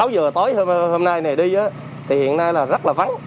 sáu giờ tối hôm nay này đi thì hiện nay là rất là phấn